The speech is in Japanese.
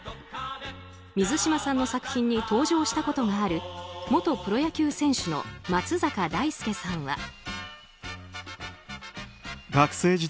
水島さんの作品に登場したことがある元プロ野球選手の松坂大輔さんは。